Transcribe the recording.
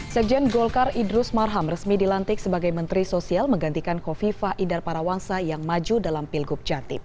sekjen golkar idrus marham resmi dilantik sebagai menteri sosial menggantikan kofifa indar parawangsa yang maju dalam pilgub jatim